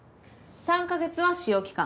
３カ月は試用期間。